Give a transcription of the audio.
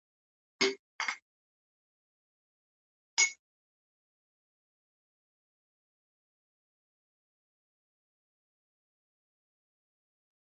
د ونو اوبه کول په مختلفو طریقو سرته رسیدلای شي په پښتو وینا.